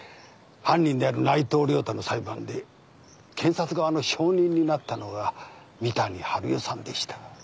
犯人である内藤良太の裁判で検察側の証人になったのが三谷治代さんでした。